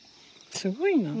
すごいな。